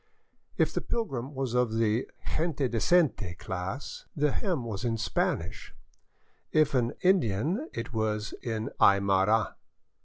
If the pilgrim was of the '' gente decente " class, the hymn was in Spanish ; if an In dian, it was in Aymara.